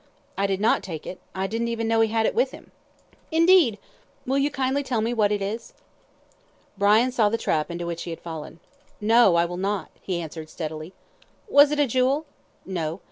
"I did not take it. I didn't even know he had it with him." "Indeed! Will you kindly tell me what 'it' is." Brian saw the trap into which he had fallen. "No! I will not," he answered steadily. "Was it a jewel?" "No!"